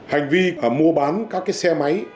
hành vi mua bán các cái xe máy